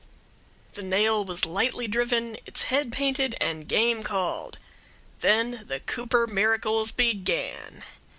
The nail was lightly driven, its head painted, and game called. Then the Cooper miracles began.